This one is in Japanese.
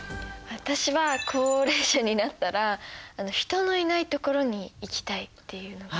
私は高齢者になったら人のいない所に行きたいっていうのが。